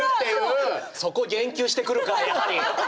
そこ言及してくるかやはり。